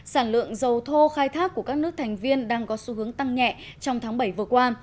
sản lượng dầu thô khai thác của các nước thành viên đang có xu hướng tăng nhẹ trong tháng bảy vừa qua